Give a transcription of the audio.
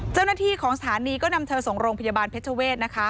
เจ้าหน้าที่ของสถานีก็นำเธอส่งโรงพยาบาลเพชรเวศนะคะ